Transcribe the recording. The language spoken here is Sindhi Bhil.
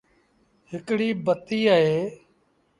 هڪڙي بتيٚ اهي۔